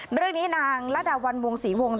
ในเรื่องนี้นางรดาวรรณวงศรีวงร์